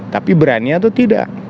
tapi berani atau tidak